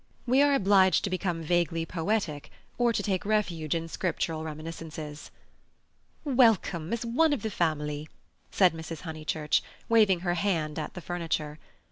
We are obliged to become vaguely poetic, or to take refuge in Scriptural reminiscences. "Welcome as one of the family!" said Mrs. Honeychurch, waving her hand at the furniture.